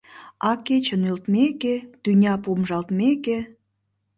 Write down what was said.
А кече нӧлтмеке, тӱня помыжалтмеке